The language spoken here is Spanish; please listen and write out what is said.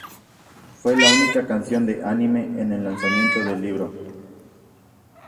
Fue la única canción de anime en el lanzamiento del libro.